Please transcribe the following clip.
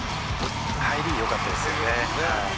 「入りよかったですよね」